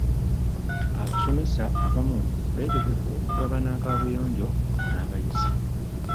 Abasomesa abamu beetegefu okugabana kaabuyonjo n'abayizi.